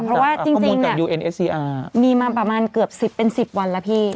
เพราะว่าจริงเอสซีอาร์มีมาประมาณเกือบ๑๐เป็น๑๐วันแล้วพี่